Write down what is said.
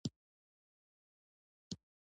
طالبان له «کورني استعماره» جلا نه شي توضیح کېدای.